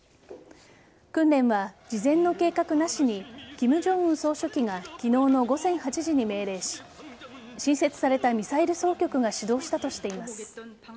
訓練は事前の計画なしに金正恩総書記が昨日の午前８時に命令し新設されたミサイル総局が指導したとしています。